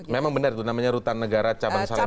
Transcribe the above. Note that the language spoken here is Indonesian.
memang benar itu namanya rutan negara cabang saleh